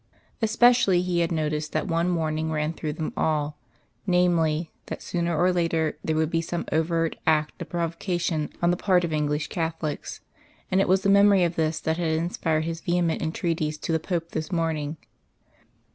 Especially he had noticed that one warning ran through them all, namely, that sooner or later there would be some overt act of provocation on the part of English Catholics; and it was the memory of this that had inspired his vehement entreaties to the Pope this morning.